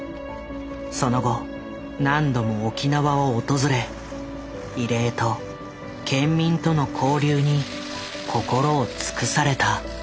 その後何度も沖縄を訪れ慰霊と県民との交流に心を尽くされた。